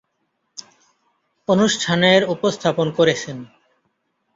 অনুষ্ঠান এর উপস্থাপন করেছেন।